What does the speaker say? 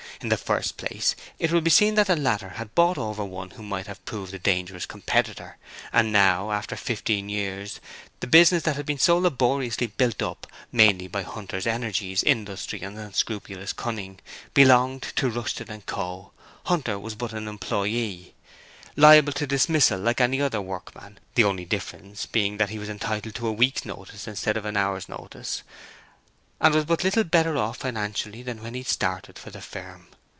In the first place, it will be seen that the latter had bought over one who might have proved a dangerous competitor, and now, after fifteen years, the business that had been so laboriously built up, mainly by Hunter's energy, industry and unscrupulous cunning, belonged to Rushton & Co. Hunter was but an employee, liable to dismissal like any other workman, the only difference being that he was entitled to a week's notice instead of an hour's notice, and was but little better off financially than when he started for the firm.